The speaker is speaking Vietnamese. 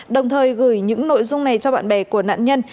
đồng thời gửi những nội dung này cho bạn bè của nạn nhân